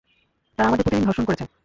তারা আমাদের প্রতিদিন ধর্ষণ করেছে।